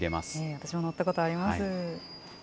私も乗ったことあります。